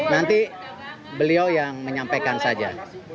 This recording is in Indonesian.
nanti beliau yang menyampaikan saja